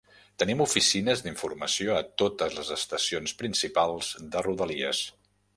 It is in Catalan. Tenim oficines d'informació a totes les estacions principals de Rodalies.